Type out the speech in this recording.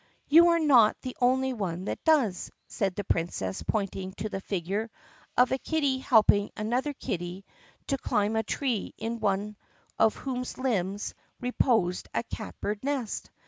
"You are not the only one that does," said the Princess pointing to the figure of a kitty helping another kitty to climb a tree in one of whose limbs reposed a catbird nest.